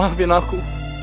aku tidak bisa melihatmu